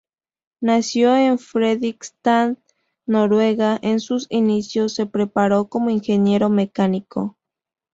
Nacido en Fredrikstad, Noruega, en sus inicios se preparó como ingeniero mecánico.